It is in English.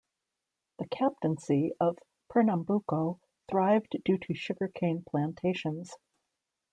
The Captaincy of Pernambuco thrived due to sugarcane plantations.